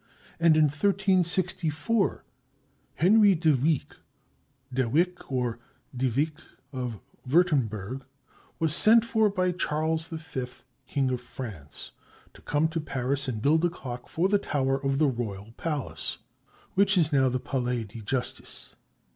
And in 1364, Henry de Wieck, De Wyck, or de Vick, of Wurtemburg, was sent for by Charles V, King of France, to come to Paris and build a clock for the tower of the royal palace, which is now the Palais de Justice.